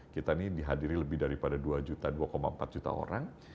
kita ini dihadiri lebih daripada dua juta dua empat juta orang